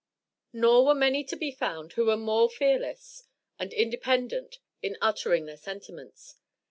Nor were many to be found who were more fearless and independent in uttering their sentiments.